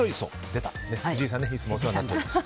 藤井さんいつもお世話になってます。